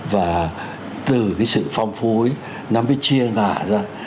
và từ cái sự phong phú ấy nó mới chia ngã ra